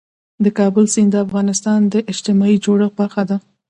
د کابل سیند د افغانستان د اجتماعي جوړښت برخه ده.